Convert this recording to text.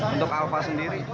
untuk alfa sendiri